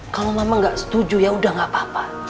kalau mama gak setuju yaudah gak apa apa